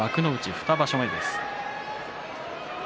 ２場所目です。